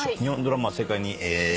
日本のドラマは世界に。